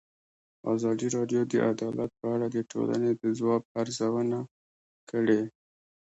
ازادي راډیو د عدالت په اړه د ټولنې د ځواب ارزونه کړې.